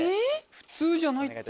普通じゃないってこと？